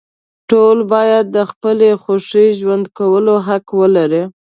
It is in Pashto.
ټول باید د خپلې خوښې ژوند کولو حق ولري.